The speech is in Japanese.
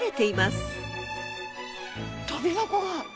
とび箱が！